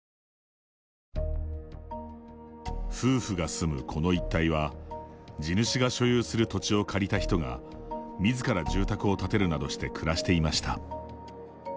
夫婦が住むこの一帯は地主が所有する土地を借りた人がみずから住宅を建てるなどして暮らしていました。